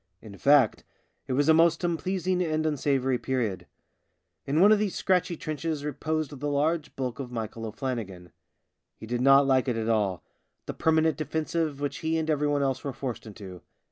In fact, it was a most unpleasing and unsavoury period. In one of these scratchy trenches reposed the large bulk of Michael O'Flannigan. He THE SIXTH DRUNK 83 did not like it at all — the permanent defensive which he and everyone else were forced into.